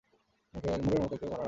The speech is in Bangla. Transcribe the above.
মুড়ের মতো একটু মাথা নাড়ে।